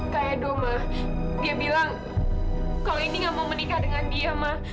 kak edo ma dia bilang kau ini nggak mau menikah dengan dia ma